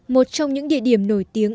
một trong những địa điểm nổi tiếng